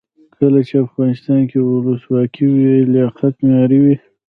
کله چې افغانستان کې ولسواکي وي لیاقت معیار وي.